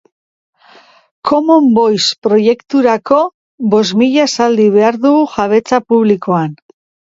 Common Voice proiekturako bost mila esaldi behar dugu jabetza publikoan